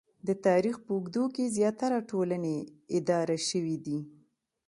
د تاریخ په اوږدو کې زیاتره ټولنې اداره شوې دي